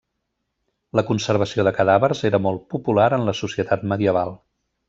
La conservació de cadàvers era molt popular en la societat medieval.